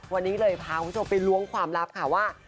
วันนี้เลยพาคุณผู้ชมไปล้วงความลับค่ะว่า